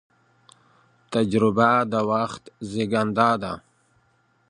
تجربه د وخت زېږنده ده.